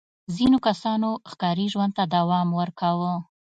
ځینو کسانو ښکاري ژوند ته دوام ورکاوه.